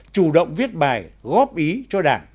chủ động viết bài góp ý cho đảng